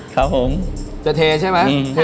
ครับหรูม